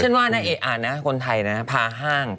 ฉันว่าคนไทยพาห้าง